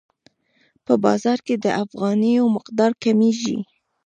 په بازار کې د افغانیو مقدار کمیږي.